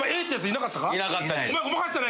いなかったです。